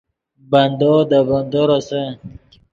بندو دے بندو روسے